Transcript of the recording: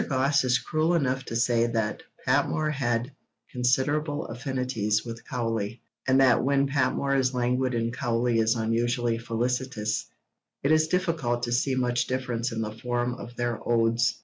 Gosse is cruel enough to say that Patmore had 'considerable affinities' with Cowley, and that 'when Patmore is languid and Cowley is unusually felicitous, it is difficult to see much difference in the form of their odes.'